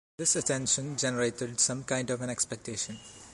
This attention generated some kind of an expectation.